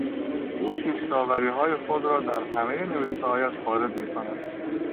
او پیشداوریهای خود را در همهی نوشتههایش وارد میکند.